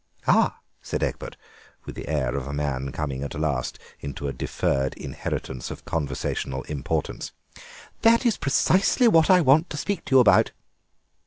"Ah!" said Egbert, with the air of a man coming at last into a deferred inheritance of conversational importance, "that is precisely what I want to speak to you about."